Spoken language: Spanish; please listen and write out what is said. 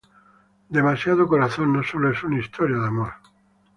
Demasiado corazón no sólo es una historia de amor.